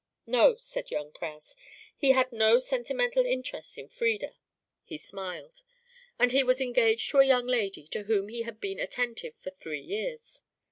No, said young Kraus, he had no sentimental interest in Frieda. (He smiled.) And he was engaged to a young lady to whom he had been attentive for three years.